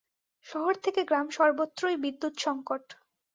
শহর থেকে গ্রাম সর্বত্রই বিদ্যুৎ সংকট।